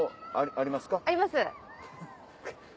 あります。